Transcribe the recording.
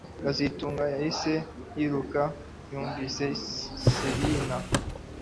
kazitunga yahise yiruka yumvise sirena